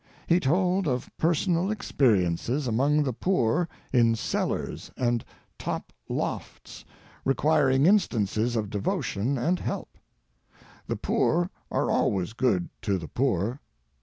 He told of personal experiences among the poor in cellars and top lofts requiring instances of devotion and help. The poor are always good to the poor.